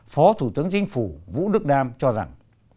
phó thủ tướng chính phủ vũ đức đam cho rằng